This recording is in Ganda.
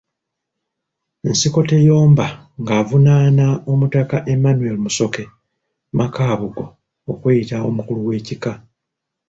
Nsikoteyomba ng'avunaana Omutaka Emmanuel Musoke Makabugo okweyita omukulu w'Ekika.